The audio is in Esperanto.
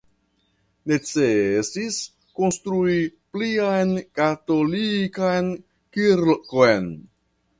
Necesis konstrui plian katolikan kirkon.